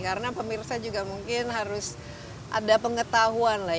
karena pemirsa juga mungkin harus ada pengetahuan lah